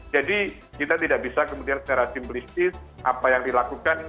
jadi kita tidak bisa kemudian secara simplistis apa yang dilakukan